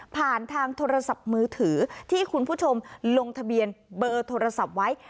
ทางโทรศัพท์มือถือที่คุณผู้ชมลงทะเบียนเบอร์โทรศัพท์ไว้